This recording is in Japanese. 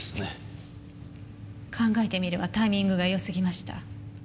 考えてみればタイミングがよすぎました。